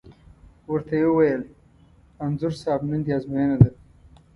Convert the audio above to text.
ور ته یې وویل: انځور صاحب نن دې ازموینه ده.